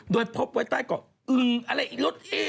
โดยพบไว้ใต้ข่อกเรา